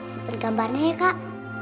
sipet gambarnya ya kak